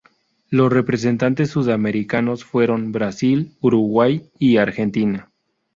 Los representantes sudamericanos fueron Brasil, Uruguay y Argentina.